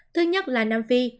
thứ nhất là nam phi